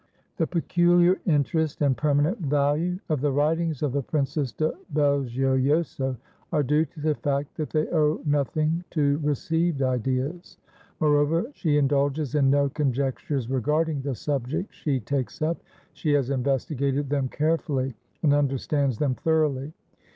The peculiar interest and permanent value of the writings of the Princess de Belgiojoso are due to the fact that they owe nothing to received ideas. Moreover, she indulges in no conjectures regarding the subjects she takes up, she has investigated them carefully, and understands them thoroughly.